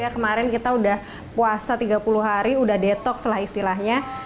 kemarin kita udah puasa tiga puluh hari udah detox lah istilahnya